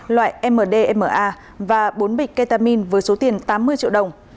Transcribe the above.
loại mdma và bốn bịch ketamin với số tiền tám mươi triệu đồng